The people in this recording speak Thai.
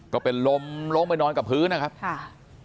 ก็เป็นลมลงไปนอนกับพื้นนะครับค่ะ